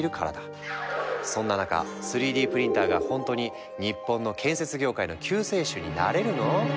そんな中３Ｄプリンターがほんとに日本の建設業界の救世主になれるの？